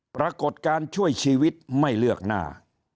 ปรากฏการณ์ช่วยชีวิตไม่เลือกหน้า